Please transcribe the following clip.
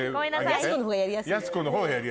「やす子」の方がやりやすいのよ。